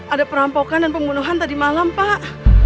ada perampokan dan pembunuhan tadi malam pak